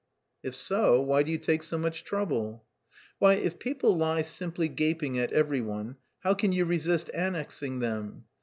"If so, why do you take so much trouble?" "Why, if people lie simply gaping at every one, how can you resist annexing them?